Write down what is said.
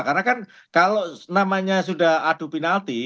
karena kan kalau namanya sudah adu penalti